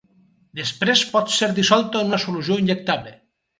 Després pot ser dissolta en una solució injectable.